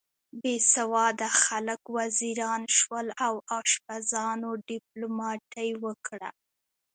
بې سواده خلک وزیران شول او اشپزانو دیپلوماتۍ وکړه.